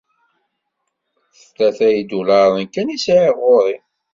Tlata idularen kan i sɛiɣ ɣur-i.